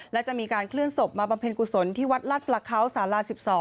และจะมีการเคลื่อนศพมาบำเพ็ญกุศลที่วัดลาดประเขาสารา๑๒